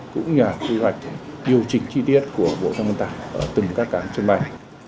cũng như là quy hoạch điều chỉnh chi tiết của bộ dân thông vận tải ở từng các cảng sân bay